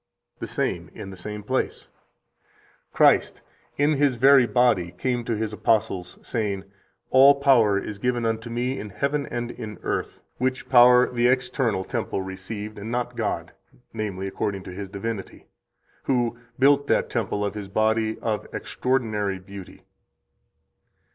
71 the same, in the same place: "Christ, in His very body, came to His apostles, saying: 'All power is given unto Me in heaven and in earth'; which power the external temple received, and not God, [namely, according to His divinity], who built that temple [of His body] of extraordinary beauty."